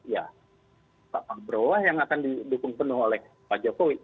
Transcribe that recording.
ya pak prabowo lah yang akan didukung penuh oleh pak jokowi